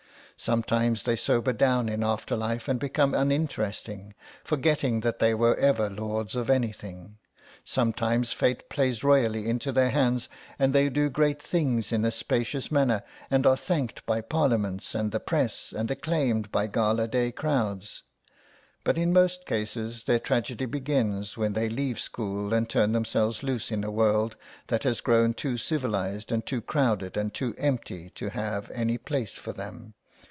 Sometimes they sober down in after life and become uninteresting, forgetting that they were ever lords of anything; sometimes Fate plays royally into their hands, and they do great things in a spacious manner, and are thanked by Parliaments and the Press and acclaimed by gala day crowds. But in most cases their tragedy begins when they leave school and turn themselves loose in a world that has grown too civilised and too crowded and too empty to have any place for them.